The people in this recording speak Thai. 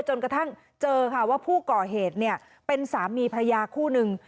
จนกระทั่งเจอค่ะว่าผู้ก่อเหตุเนี่ยเป็นสามีพระยาคู่หนึ่ง